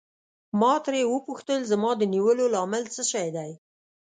ما ترې وپوښتل زما د نیولو لامل څه شی دی.